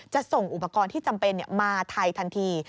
ส่งอุปกรณ์ที่จำเป็นมาไทยทันที